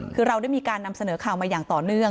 คือเราได้มีการนำเสนอข่าวมาอย่างต่อเนื่อง